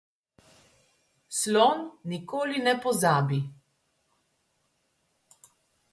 Slon nikoli ne pozabi.